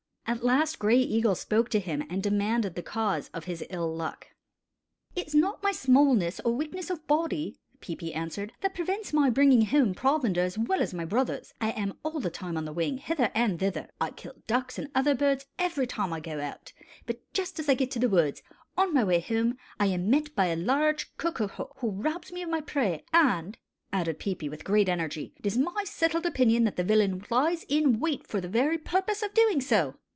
At last Gray Eagle spoke to him and demanded the cause of his ill luck. "It is not my smallness or weakness of body," Peepi answered, "that prevents my bringing home provender as well as my brothers. I am all the time on the wing, hither and thither. I kill ducks and other birds every time I go out; but just as I get to the woods, on my way home, I am met by a large ko ko ho, who robs me of my prey; and," added Peepi, with great energy, "it's my settled opinion that the villain lies in wait for the very purpose of doing so."